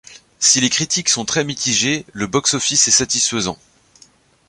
Si les critiques sont très mitigées, le box-office est satisfaisant.